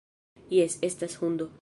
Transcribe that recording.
Jes, estas hundo.